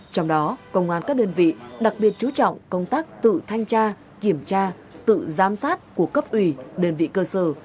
trong đó công an các đơn vị đặc biệt chú trọng công tác tự thanh tra kiểm tra tự giám sát của cấp ủy đơn vị cơ sở